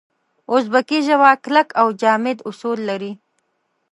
اوزبکي ژبه کلک او جامد اصول لري.